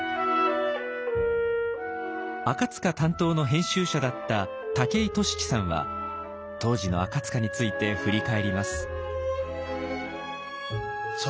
赤担当の編集者だった武居俊樹さんは当時の赤について振り返ります。